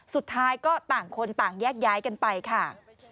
สุดท้ายก็ต่างคนต่างแยกย้ายกันไปค่ะ